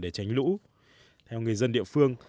để tránh lũ theo người dân địa phương